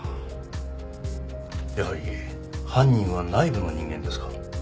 やはり犯人は内部の人間ですか？